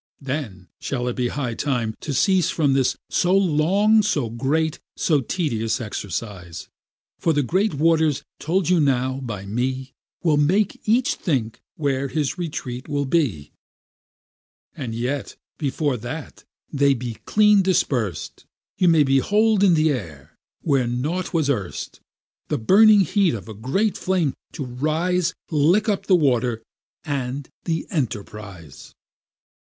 Then shall it be high time to cease from this So long, so great, so tedious exercise; For the great waters told you now by me, Will make each think where his retreat shall be; And yet, before that they be clean disperst, You may behold in th' air, where nought was erst, The burning heat of a great flame to rise, Lick up the water, and the enterprise.